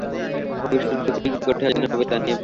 ভবিষ্যত পৃথিবী কী করে সাজানাে হবে তা নিয়ে ভাবি।